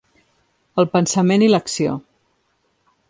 El pensament i l’acció.